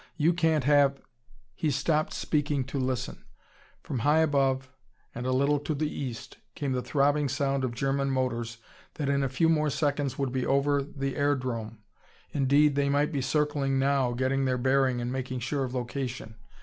You can't have " He stopped speaking to listen. From high above, and a little to the east, came the throbbing sound of German motors that in a few more seconds would be over the airdrome. Indeed, they might be circling now, getting their bearing and making sure of location.